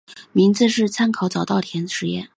名字是参考早稻田实业。